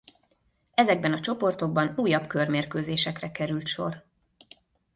Ezekben a csoportokban újabb körmérkőzésekre került sor.